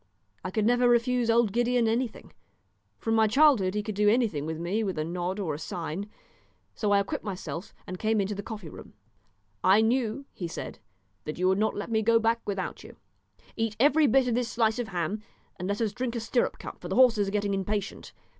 I could never refuse old Gideon anything; from my childhood he could do anything with me with a nod or a sign; so I equipped myself and came into the coffee room. "I knew," he said, "that you would not let me go back without you. Eat every bit of this slice of ham, and let us drink a stirrup cup, for the horses are getting impatient.